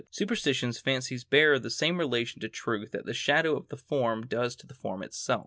Superstitious fancies bear the same relation to truth that the shadow of a form does to the form itself.